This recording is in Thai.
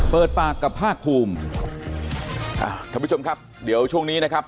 เปิดปากกับภาคภูมิอ่าท่านผู้ชมครับเดี๋ยวช่วงนี้นะครับ